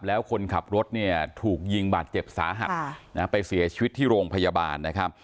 แล้วคนขับรถเนี่ยถูกยิงบาดเจ็บสาหัสไปเสียชีวิตที่โรงพยาบาลนะครับ